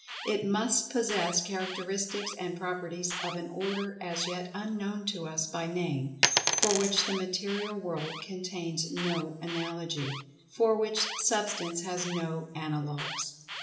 It must possess characteristics and properties of an order as yet unknown to us by name—for which the material world contains no analogy—for which Substance has no analogues.